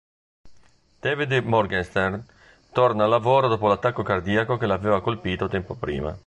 David Morgenstern torna al lavoro dopo l'attacco cardiaco che l'aveva colpito tempo prima.